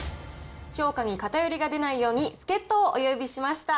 評価に偏りが出ないように、助っ人をお呼びしました。